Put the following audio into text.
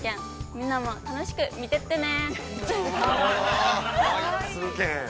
みんなも楽しく見てってね。